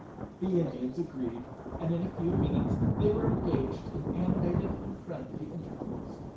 The Indians agreed, and in a few minutes they were engaged in animated and friendly intercourse.